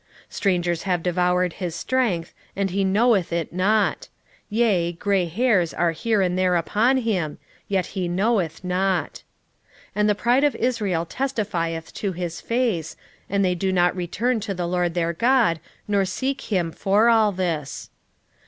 7:9 Strangers have devoured his strength, and he knoweth it not: yea, gray hairs are here and there upon him, yet he knoweth not. 7:10 And the pride of Israel testifieth to his face: and they do not return to the LORD their God, nor seek him for all this.